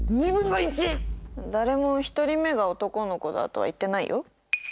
誰も１人目が男の子だとは言ってないよ。